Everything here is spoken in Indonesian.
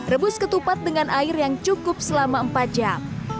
rebus ketupat dengan air yang cukup selama empat jam